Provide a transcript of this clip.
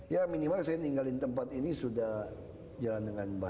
ya minimal saya ninggalin tempat ini sudah jalan dengan baik